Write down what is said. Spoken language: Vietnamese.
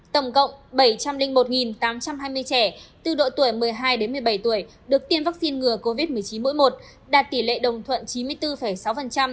tổng cộng bảy trăm linh một tám trăm hai mươi trẻ từ độ tuổi một mươi hai đến một mươi bảy tuổi được tiêm vaccine ngừa covid một mươi chín mỗi một đạt tỷ lệ đồng thuận chín mươi bốn sáu